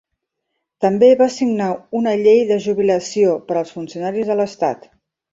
També va signar una llei de jubilació per als funcionaris de l'estat.